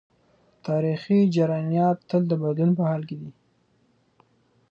تاریخي جریانات تل د بدلون په حال کي دي.